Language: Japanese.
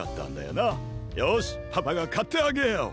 よしパパがかってあげよう。